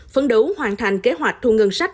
phấn đấu hoàn thành kế hoạch thu ngân sách